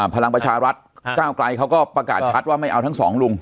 พลังประชารัฐก้าวไกลเขาก็ประกาศชัดว่าไม่เอาทั้งสองลุง